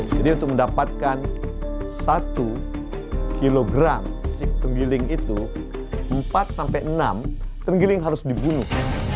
jadi untuk mendapatkan satu kg sisik tenggiling itu empat sampai enam tenggiling harus dibunuh